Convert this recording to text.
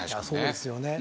そうですよね。